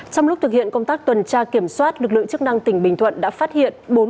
trong lúc thực hiện công tác tuần tra kiểm soát lực lượng chức năng tỉnh bình thuận đã phát hiện